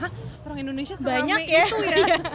hah orang indonesia seramai itu ya